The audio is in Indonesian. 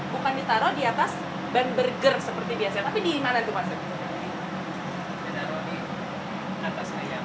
bukan ditaruh di atas ban burger seperti biasa tapi dimana tuh maksudnya